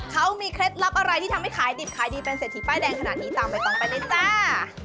เขามีเคล็ดลับอะไรที่ทำให้ขายดิบขายดีเป็นเศรษฐีป้ายแดงขนาดนี้ตามใบตองไปเลยจ้า